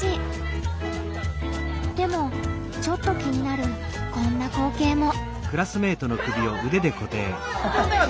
でもちょっと気になるこんな光けいも。